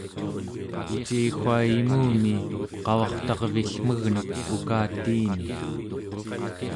iciwa imumi qavartarvillmegnuk ukatiini